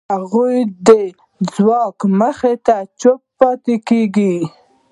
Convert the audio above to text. هغوی د ځواک مخې ته چوپ پاتې کېږي.